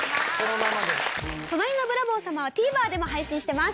『隣のブラボー様』はＴＶｅｒでも配信してます。